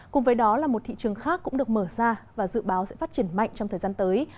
cùng với đó là một thị trường khác cũng được mở ra và dự báo sẽ phát triển mạnh trong thời gian tới